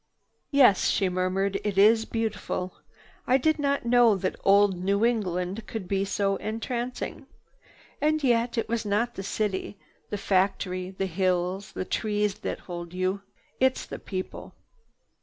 "Yes," she murmured, "it is beautiful. I did not know that old New England could be so entrancing. And yet, it is not the city, the factory, the hills, the trees that hold you. It's the people."